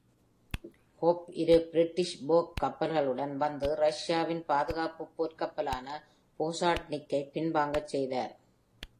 Hope இரு British போர்க் கப்பல்களுடன் வந்து ரஷ்யாவின் பாதுகாப்பு போர்க்கப்பலான "போசாட்நிக்" கை பின்வாங்கச் செய்தார்.